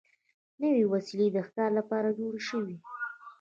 نوې وسلې د ښکار لپاره جوړې شوې.